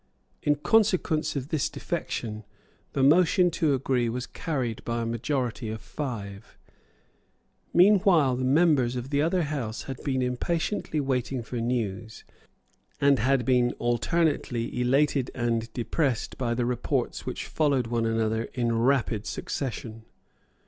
In consequence of this defection, the motion to agree was carried by a majority of five. Meanwhile the members of the other House had been impatiently waiting for news, and had been alternately elated and depressed by the reports which followed one another in rapid succession.